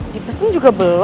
dipesen juga belum ini